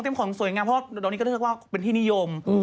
ของสวยงามเพราะว่าตอนนี้ก็เรียกว่าเป็นที่นิยม